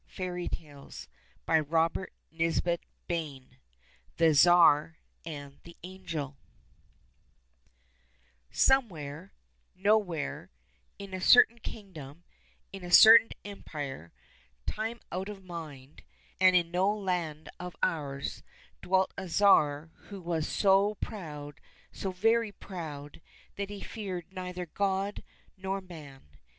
170 THE TSAR AND THE ANGEL THE TSAR AND THE ANGEL SOMEWHERE, nowhere, in a certain kingdom, in a certain empire, time out of mind, and in no land of ours, dwelt a Tsar who was so proud, so very proud, that he feared neither God nor man.